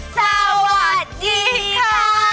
สวัสดีค่ะ